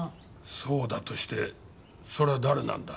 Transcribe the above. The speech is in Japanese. そうだとしてそりゃ誰なんだ？